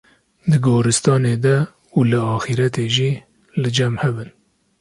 di gorîstanê de û li axîretê jî li cem hev in.